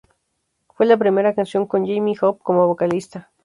Fue la primera canción con Jamie Hope como vocalista.